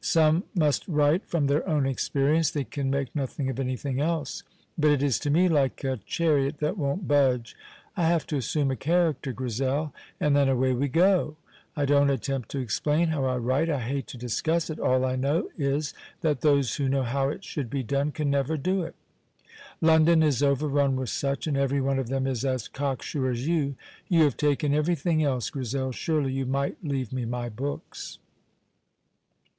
Some must write from their own experience, they can make nothing of anything else; but it is to me like a chariot that won't budge; I have to assume a character, Grizel, and then away we go. I don't attempt to explain how I write, I hate to discuss it; all I know is that those who know how it should be done can never do it. London is overrun with such, and everyone of them is as cock sure as you. You have taken everything else, Grizel; surely you might leave me my books."